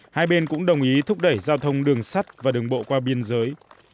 hai bên cũng đồng ý thúc đẩy giao thông đường sắt và đường bộ qua biên giới